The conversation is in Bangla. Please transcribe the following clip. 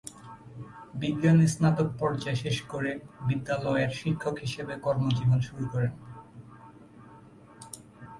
বিজ্ঞানে স্নাতক পর্যায় শেষ করে বিদ্যালয়ের শিক্ষক হিসেবে কর্মজীবন শুরু করেন।